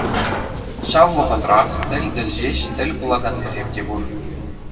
Ҫав вӑхӑтрах тӗл-тӗл ҫеҫ тӗл пулаканнисем те пур.